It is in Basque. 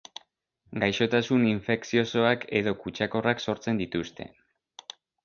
Gaixotasun infekziosoak edo kutsakorrak sortzen dituzte.